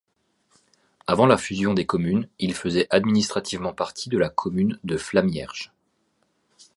Avant la fusion des communes, il faisait administrativement partie de la commune de Flamierge.